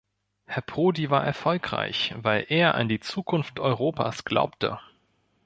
Herr Prodi war erfolgreich, weil er an die Zukunft Europas glaubte.